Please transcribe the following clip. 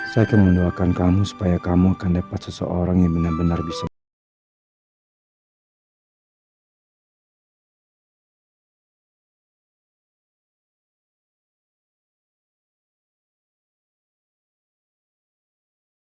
saya akan mendoakan kamu supaya kamu akan dapat seseorang yang benar benar bisa menikah